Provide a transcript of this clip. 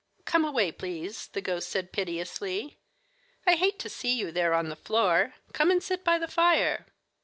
"Come away, please," the ghost said piteously. "I hate to see you there on the floor. Come and sit by the fire."